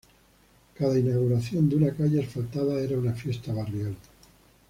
Cada inauguración de una calle asfaltada era una fiesta barrial.